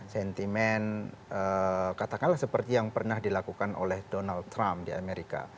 sentimen katakanlah seperti yang pernah dilakukan oleh donald trump di amerika